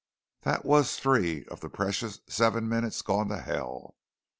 That was three of the precious seven minutes gone to hell.